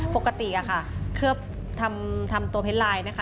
ปกติค่ะเคลือบทำตัวเพชรไลน์นะคะ